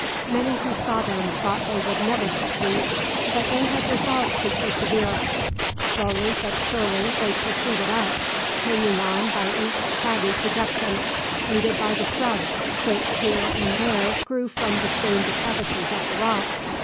Many who saw them thought they would never succeed, but they had resolved to persevere. Slowly but surely they proceeded up, hanging on by each craggy projection, aided by the shrubs which here and there grew from between the crevices of the rock.